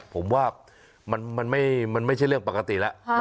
ผมว่ามันไม่ใช่เรื่องปกติแล้ว